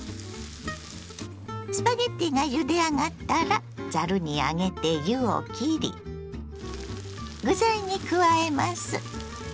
スパゲッティがゆであがったらざるに上げて湯をきり具材に加えます。